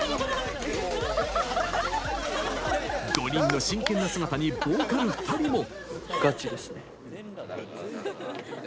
５人の真剣な姿にボーカル２人も。